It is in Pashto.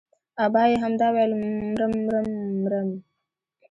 ابا يې همدا ويل مرم مرم مرم.